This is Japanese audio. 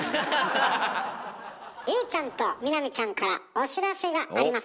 隆ちゃんと美波ちゃんからお知らせがあります！